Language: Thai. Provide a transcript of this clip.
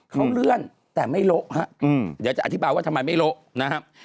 เขาเลื่อนแต่ไม่โละฮะเดี๋ยวจะอธิบายว่าทำไมไม่โละนะครับ